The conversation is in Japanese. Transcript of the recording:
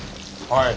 はい。